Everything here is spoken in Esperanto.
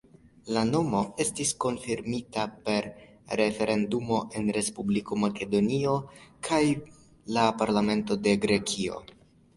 La nomo estas konfirmita per referendumo en Respubliko Makedonio kaj la parlamento de Grekio.